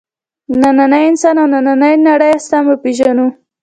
نننی انسان او نننۍ نړۍ سم وپېژنو.